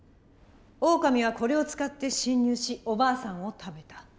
オオカミはこれを使って侵入しおばあさんを食べた。